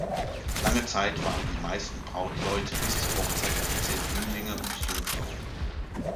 Lange Zeit waren die meisten Brautleute bis zur Hochzeit offiziell Jünglinge und Jungfrauen.